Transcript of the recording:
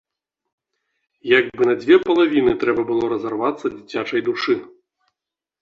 Як бы на дзве палавіны трэба было разарвацца дзіцячай душы.